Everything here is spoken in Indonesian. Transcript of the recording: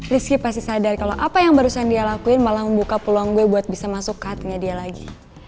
rizky pasti sadar kalau apa yang barusan dia lakuin malah membuka peluang gue buat bisa masuk ke hatinya dia lagi